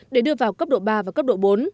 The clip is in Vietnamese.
để đưa vào cấp độ ba và cấp độ bốn